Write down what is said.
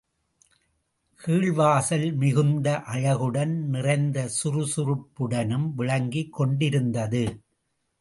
கீழ்வாசல், மிகுந்த அழகுடனும் நிறைந்த சுறுசுறுப்புடனும் விளங்கிக்கொண்டிருந்தது.